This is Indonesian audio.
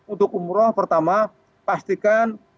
untuk umroh pertama pastikan